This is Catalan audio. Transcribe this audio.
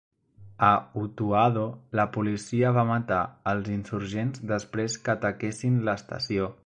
A Utuado, la policia va matar els insurgents després que ataquessin l'estació.